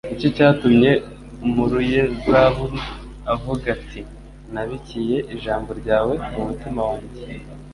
Nicyo cyatumye Umuruyezaburi avuga ati: “Nabikiye ijambo ryawe mu mutima wanjye